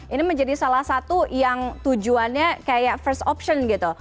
ini menjadi salah satu yang tujuannya kayak first option gitu